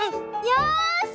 よし！